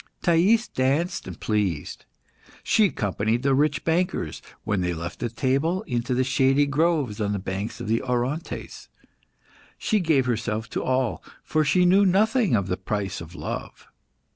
Thais danced and pleased. She accompanied the rich bankers, when they left the table, into the shady groves on the banks of the Orontes. She gave herself to all, for she knew nothing of the price of love.